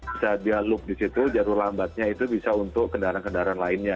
bisa dia loop disitu jalur lambatnya itu bisa untuk kendaraan kendaraan lainnya